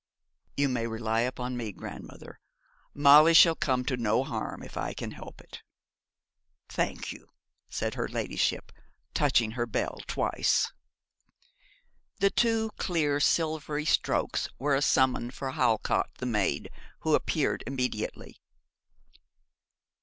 'You may rely upon me, grandmother, Molly shall come to no harm, if I can help it.' 'Thank you,' said her ladyship, touching her bell twice. The two clear silvery strokes were a summons for Halcott, the maid, who appeared immediately.